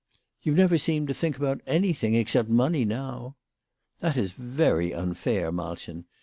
"You never seem to think about anything except money now." " That is very unfair, Malchen.